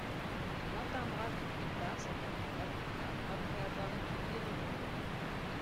Il n'entamera que plus tard sa carrière d'avocat, après avoir étudié le droit.